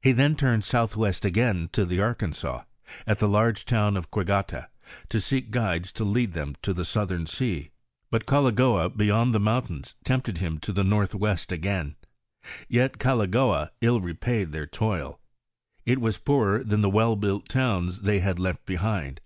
He then turned southwest again to the Arkansas, at the large town of Quigata, to seek guides to lead them to the southern sea ; but Goligoa beyond the mountains tempted him to the northwest again ; yet Goligoa ill repaid their toil; it was poorer than the well built towns they had left behind.